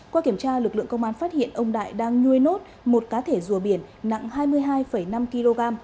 qua kiểm tra lực lượng công an phát hiện ông đại đang nuôi nốt một cá thể rùa biển nặng hai mươi hai năm kg